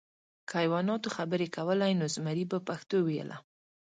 که حیواناتو خبرې کولی، نو زمری به پښتو ویله .